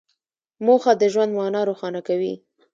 موخه د ژوند مانا روښانه کوي.